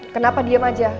kenapa diem aja